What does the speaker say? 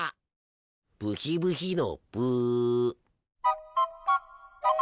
ブヒブヒのブ。